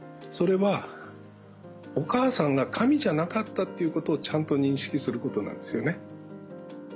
それはお母さんが神じゃなかったということをちゃんと認識することなんですよね。